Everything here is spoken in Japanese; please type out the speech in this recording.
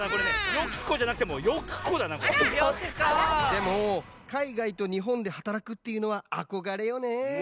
でもかいがいとにほんではたらくっていうのはあこがれよね。